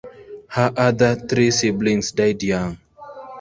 Her other three siblings died young.